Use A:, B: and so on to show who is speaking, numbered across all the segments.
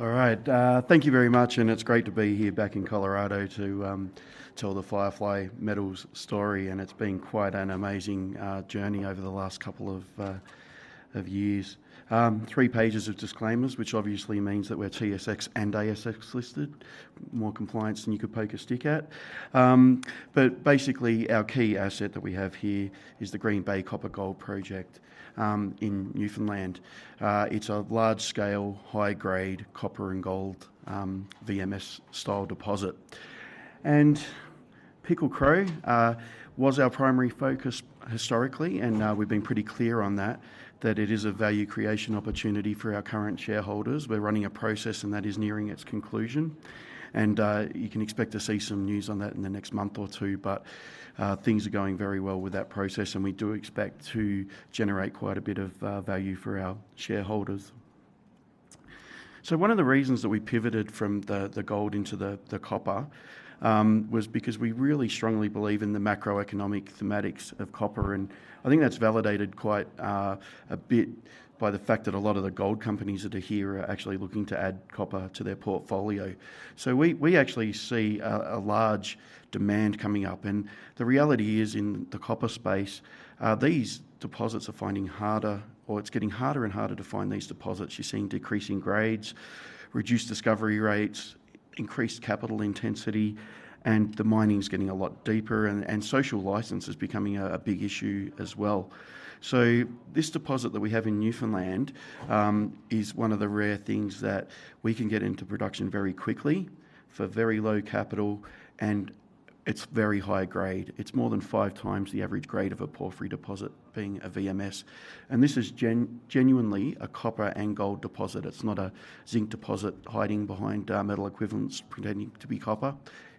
A: All right, thank you very much, and it's great to be here back in Colorado to tell the FireFly Metals story, and it's been quite an amazing journey over the last couple of years. Three pages of disclaimers, which obviously means that we're TSX and ASX listed, more compliance than you could poke a stick at, but basically, our key asset that we have here is the Green Bay Copper-Gold Project in Newfoundland. It's a large-scale, high-grade copper and gold VMS-style deposit, and Pickle Crow was our primary focus historically, and we've been pretty clear on that, that it is a value creation opportunity for our current shareholders. We're running a process, and that is nearing its conclusion, and you can expect to see some news on that in the next month or two, but things are going very well with that process, and we do expect to generate quite a bit of value for our shareholders. So one of the reasons that we pivoted from the gold into the copper was because we really strongly believe in the macroeconomic thematics of copper, and I think that's validated quite a bit by the fact that a lot of the gold companies that are here are actually looking to add copper to their portfolio. So we actually see a large demand coming up, and the reality is in the copper space, these deposits are finding harder, or it's getting harder and harder to find these deposits. You're seeing decreasing grades, reduced discovery rates, increased capital intensity, and the mining's getting a lot deeper, and social license is becoming a big issue as well. So this deposit that we have in Newfoundland is one of the rare things that we can get into production very quickly for very low capital, and it's very high grade. It's more than five times the average grade of a porphyry deposit being a VMS, and this is genuinely a copper and gold deposit. It's not a zinc deposit hiding behind metal equivalents pretending to be copper;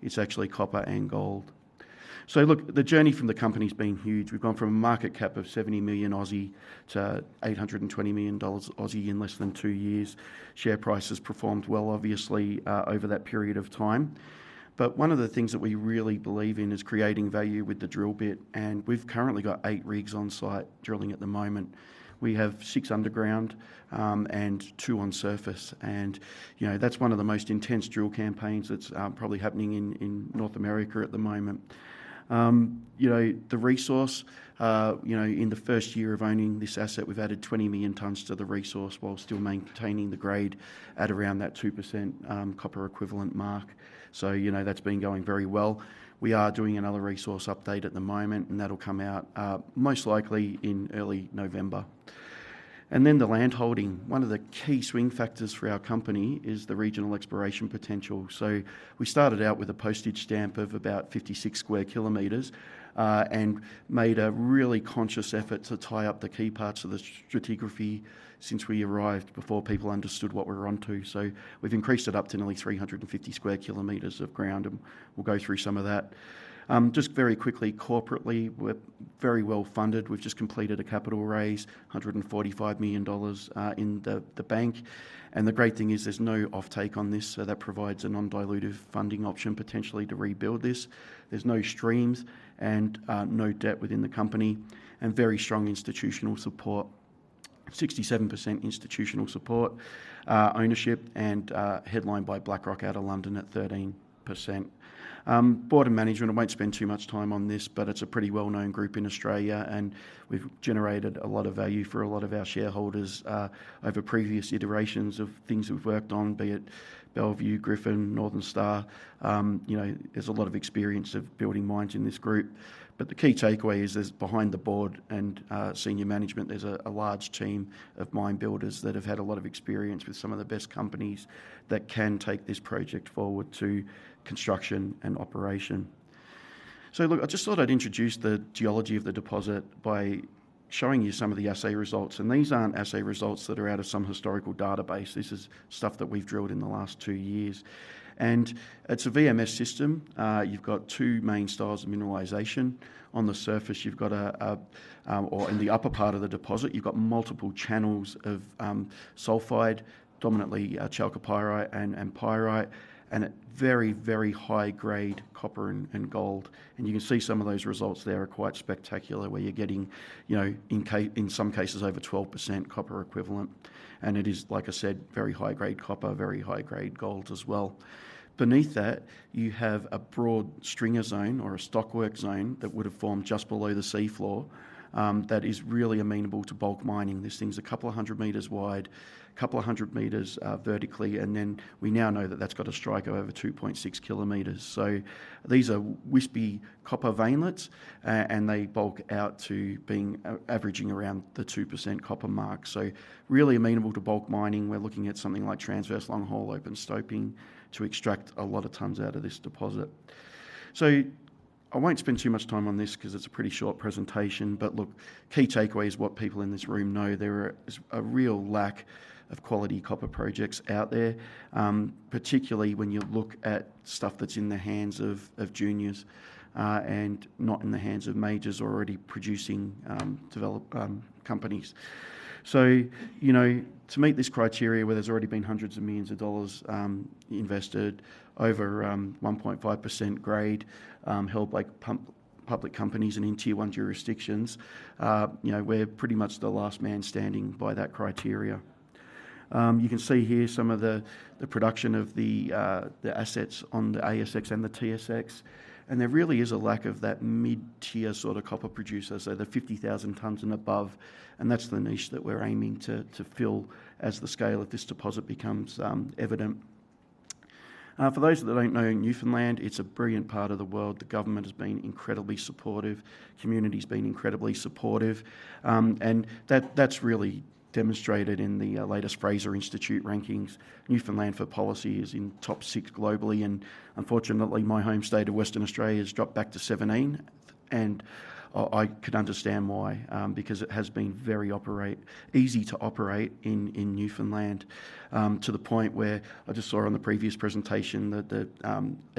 A: it's actually copper and gold. So look, the journey from the company's been huge. We've gone from a market cap of 70 million to 820 million Aussie dollars in less than two years. Share prices performed well, obviously, over that period of time, but one of the things that we really believe in is creating value with the drill bit, and we've currently got eight rigs on site drilling at the moment. We have six underground and two on surface, and that's one of the most intense drill campaigns that's probably happening in North America at the moment. The resource, in the first year of owning this asset, we've added 20 million tonnes to the resource while still maintaining the grade at around that 2% Copper Equivalent mark, so that's been going very well. We are doing another resource update at the moment, and that'll come out most likely in early November, and then the land holding, one of the key swing factors for our company is the regional exploration potential. So we started out with a postage stamp of about 56 sq km and made a really conscious effort to tie up the key parts of the stratigraphy since we arrived before people understood what we were onto. So we've increased it up to nearly 350 sq km of ground, and we'll go through some of that. Just very quickly, corporately, we're very well funded. We've just completed a capital raise, 145 million dollars in the bank, and the great thing is there's no offtake on this, so that provides a non-dilutive funding option potentially to rebuild this. There's no streams and no debt within the company, and very strong institutional support, 67% institutional support ownership, and headlined by BlackRock out of London at 13%. Board and Management, I won't spend too much time on this, but it's a pretty well-known group in Australia, and we've generated a lot of value for a lot of our shareholders over previous iterations of things that we've worked on, be it Bellevue, Gryphon, Northern Star. There's a lot of experience of building mines in this group, but the key takeaway is there's behind the board and senior management, there's a large team of mine builders that have had a lot of experience with some of the best companies that can take this project forward to construction and operation. So look, I just thought I'd introduce the geology of the deposit by showing you some of the assay results, and these aren't assay results that are out of some historical database. This is stuff that we've drilled in the last two years, and it's a VMS system. You've got two main styles of mineralization. On the surface, you've got a, or in the upper part of the deposit, you've got multiple channels of sulfide, dominantly chalcopyrite and pyrite, and very, very high-grade copper and gold, and you can see some of those results there are quite spectacular, where you're getting, in some cases, over 12% copper equivalent, and it is, like I said, very high-grade copper, very high-grade gold as well. Beneath that, you have a broad stringer zone or a stockwork zone that would have formed just below the seafloor that is really amenable to bulk mining. This thing's a couple of hundred meters wide, a couple of hundred meters vertically, and then we now know that that's got a strike of over 2.6 km. These are wispy copper veinlets, and they bulk out to being averaging around the 2% copper mark, so really amenable to bulk mining. We're looking at something like transverse longhole open stoping to extract a lot of tons out of this deposit. I won't spend too much time on this because it's a pretty short presentation, but look, key takeaway is what people in this room know: there is a real lack of quality copper projects out there, particularly when you look at stuff that's in the hands of juniors and not in the hands of majors already producing developed companies. To meet this criteria, where there's already been hundreds of millions of dollars invested over 1.5% grade held by public companies and in Tier 1 jurisdictions, we're pretty much the last man standing by that criteria. You can see here some of the production of the assets on the ASX and the TSX, and there really is a lack of that mid-tier sort of copper producers, so the 50,000 tonnes and above, and that's the niche that we're aiming to fill as the scale of this deposit becomes evident. For those that don't know, Newfoundland, it's a brilliant part of the world. The government has been incredibly supportive, the community's been incredibly supportive, and that's really demonstrated in the latest Fraser Institute rankings. Newfoundland for policy is in top six globally, and unfortunately, my home state of Western Australia has dropped back to 17, and I could understand why, because it has been very easy to operate in Newfoundland to the point where I just saw on the previous presentation that the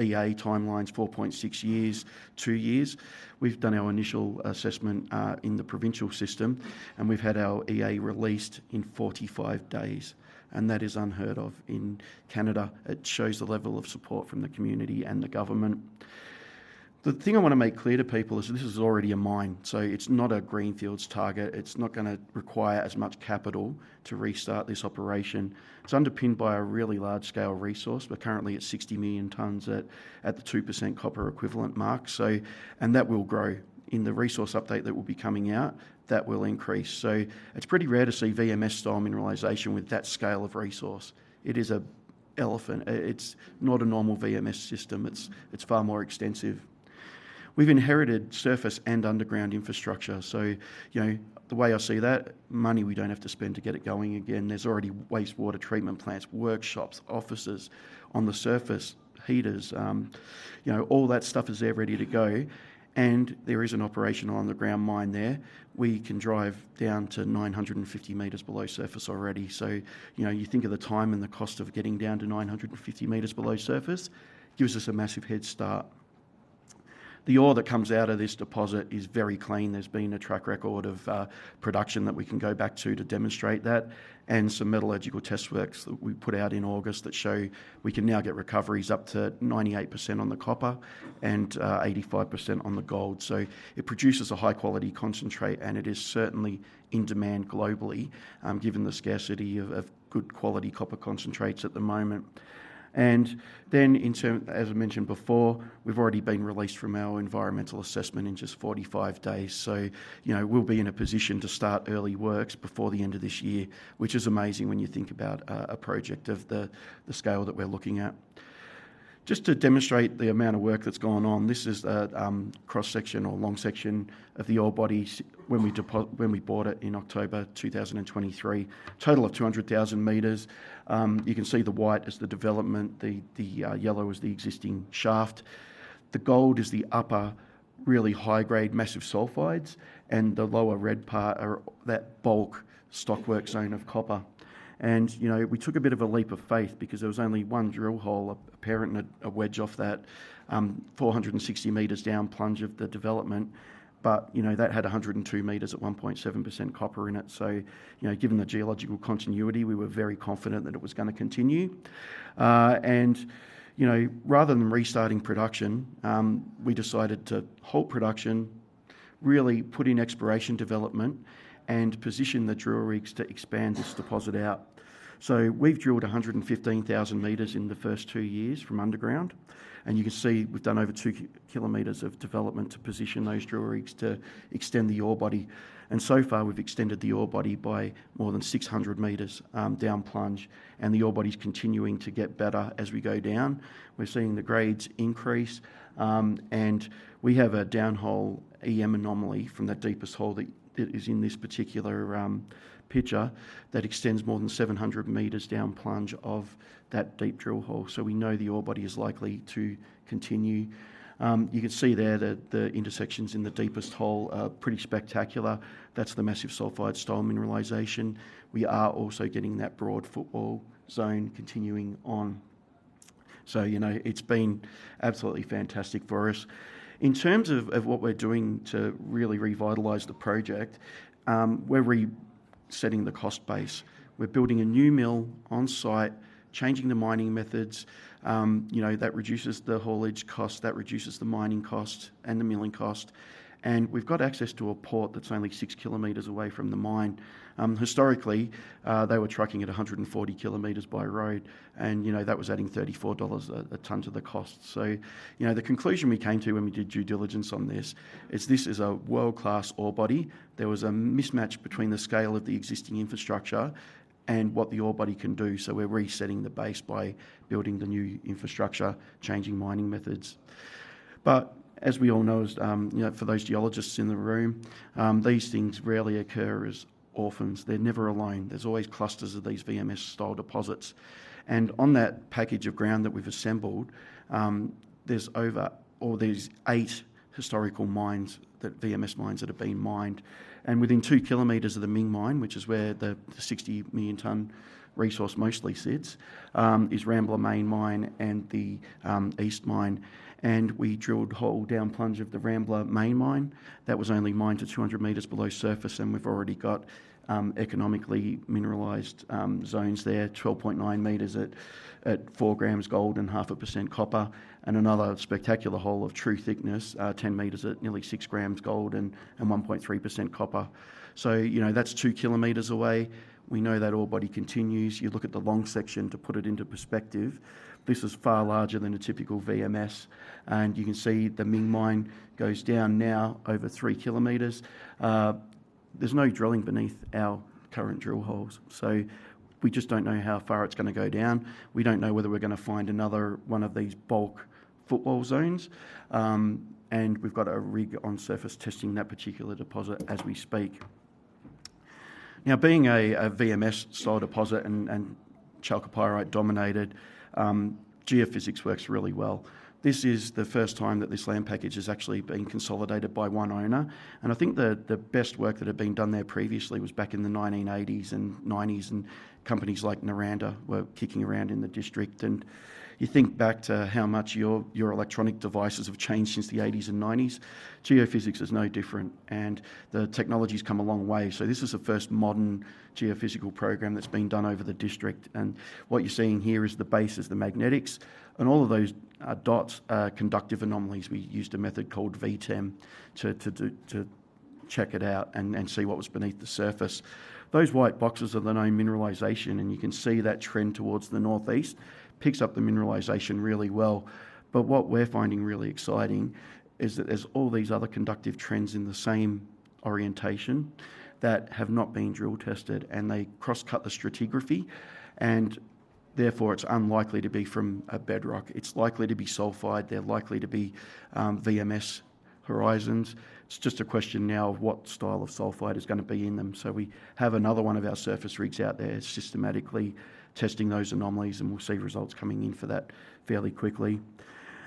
A: EA timeline's 4.6 years, two years. We've done our initial assessment in the provincial system, and we've had our EA released in 45 days, and that is unheard of in Canada. It shows the level of support from the community and the government. The thing I want to make clear to people is this is already a mine, so it's not a greenfields target. It's not going to require as much capital to restart this operation. It's underpinned by a really large-scale resource, but currently it's 60 million tonnes at the 2% copper equivalent mark, and that will grow in the resource update that will be coming out. That will increase, so it's pretty rare to see VMS-style mineralization with that scale of resource. It is an elephant. It's not a normal VMS system. It's far more extensive. We've inherited surface and underground infrastructure, so the way I see that, money we don't have to spend to get it going again. There's already wastewater treatment plants, workshops, offices on the surface, heaters, all that stuff is there ready to go, and there is an operational underground mine there. We can drive down to 950 m below surface already, so you think of the time and the cost of getting down to 950 m below surface gives us a massive head start. The ore that comes out of this deposit is very clean. There's been a track record of production that we can go back to to demonstrate that, and some metallurgical test works that we put out in August that show we can now get recoveries up to 98% on the copper and 85% on the gold, so it produces a high-quality concentrate, and it is certainly in demand globally given the scarcity of good quality copper concentrates at the moment. And then, as I mentioned before, we've already been released from our environmental assessment in just 45 days, so we'll be in a position to start early works before the end of this year, which is amazing when you think about a project of the scale that we're looking at. Just to demonstrate the amount of work that's gone on, this is the cross-section or long-section of the ore body when we bought it in October 2023, total of 200,000 m. You can see the white is the development, the yellow is the existing shaft, the gold is the upper really high-grade massive sulfides, and the lower red part are that bulk stockwork zone of copper. And we took a bit of a leap of faith because there was only one drill hole apparent and a wedge off that 460 m down plunge of the development, but that had 102 m at 1.7% copper in it, so given the geological continuity, we were very confident that it was going to continue. And rather than restarting production, we decided to halt production, really put in exploration development, and position the drill rigs to expand this deposit out. We've drilled 115,000 m in the first two years from underground, and you can see we've done over 2 km of development to position those drill rigs to extend the ore body, and so far we've extended the ore body by more than 600 m down plunge, and the ore body's continuing to get better as we go down. We're seeing the grades increase, and we have a down-hole EM anomaly from that deepest hole that is in this particular picture that extends more than 700 m down plunge of that deep drill hole, so we know the ore body is likely to continue. You can see there that the intersections in the deepest hole are pretty spectacular. That's the massive sulfide style mineralization. We are also getting that broad footwall zone continuing on, so it's been absolutely fantastic for us. In terms of what we're doing to really revitalize the project, we're resetting the cost base. We're building a new mill on site, changing the mining methods. That reduces the haulage cost, that reduces the mining cost and the milling cost, and we've got access to a port that's only 6 km away from the mine. Historically, they were trucking at 140 km by road, and that was adding 34 dollars a tonne to the cost, so the conclusion we came to when we did due diligence on this is this is a world-class ore body. There was a mismatch between the scale of the existing infrastructure and what the ore body can do, so we're resetting the base by building the new infrastructure, changing mining methods. But as we all know, for those geologists in the room, these things rarely occur as orphans. They're never alone. There's always clusters of these VMS-style deposits, and on that package of ground that we've assembled, there's eight historical mines, VMS mines that have been mined, and within 2 km of the Ming Mine, which is where the 60 million tonne resource mostly sits, is Rambler Main Mine and the East Mine, and we drilled a hole down plunge of the Rambler Main Mine. That was only mined to 200 m below surface, and we've already got economically mineralized zones there, 12.9 m at 4 g gold and 0.5% copper, and another spectacular hole of true thickness, 10 m at nearly 6 g gold and 1.3% copper. So that's 2 km away. We know that ore body continues. You look at the long section to put it into perspective. This is far larger than a typical VMS, and you can see the Ming Mine goes down now over 3 km. There's no drilling beneath our current drill holes, so we just don't know how far it's going to go down. We don't know whether we're going to find another one of these bulk footwall zones, and we've got a rig on surface testing that particular deposit as we speak. Now, being a VMS-style deposit and chalcopyrite dominated, geophysics works really well. This is the first time that this land package has actually been consolidated by one owner, and I think the best work that had been done there previously was back in the 1980s and 1990s, and companies like Noranda were kicking around in the district, and you think back to how much your electronic devices have changed since the 1980s and 1990s, geophysics is no different, and the technology's come a long way. So this is the first modern geophysical program that's been done over the district, and what you're seeing here is the basemap, the magnetics, and all of those dots are conductive anomalies. We used a method called VTEM to check it out and see what was beneath the surface. Those white boxes are the known mineralization, and you can see that trend towards the northeast picks up the mineralization really well, but what we're finding really exciting is that there's all these other conductive trends in the same orientation that have not been drill tested, and they cross-cut the stratigraphy, and therefore it's unlikely to be from a bedrock. It's likely to be sulfide. They're likely to be VMS horizons. It's just a question now of what style of sulfide is going to be in them, so we have another one of our surface rigs out there systematically testing those anomalies, and we'll see results coming in for that fairly quickly.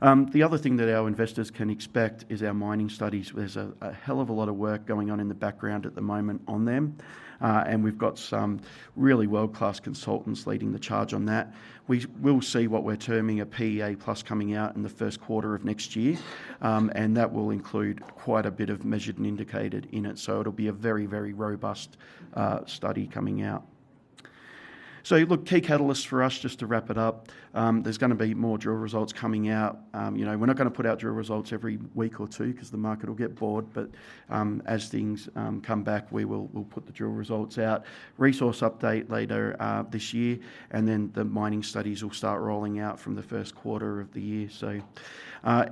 A: The other thing that our investors can expect is our mining studies. There's a hell of a lot of work going on in the background at the moment on them, and we've got some really world-class consultants leading the charge on that. We will see what we're terming a PEA Plus coming out in the first quarter of next year, and that will include quite a bit of measured and indicated in it, so it'll be a very, very robust study coming out. So look, key catalysts for us, just to wrap it up, there's going to be more drill results coming out. We're not going to put out drill results every week or two because the market will get bored, but as things come back, we will put the drill results out. Resource update later this year, and then the mining studies will start rolling out from the first quarter of the year, so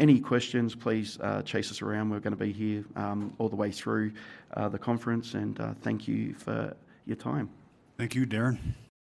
A: any questions, please chase us around. We're going to be here all the way through the conference, and thank you for your time.
B: Thank you, Darren.